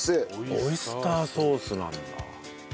オイスターソースなんだ。